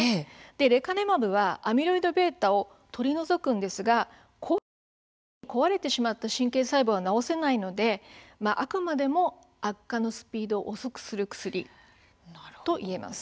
レカネマブはアミロイドβを取り除くんですがすでに壊れてしまった神経細胞は治せないのであくまでも悪化のスピードを遅くする薬といえます。